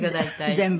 全部？